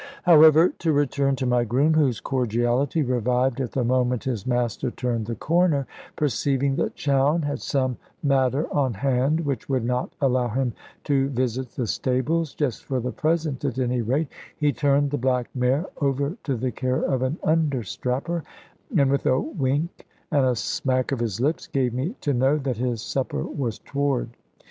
However, to return to my groom, whose cordiality revived at the moment his master turned the corner, perceiving that Chowne had some matter on hand which would not allow him to visit the stables, just for the present at any rate, he turned the black mare over to the care of an understrapper, and with a wink and a smack of his lips, gave me to know that his supper was toward.